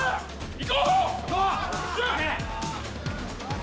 行こう！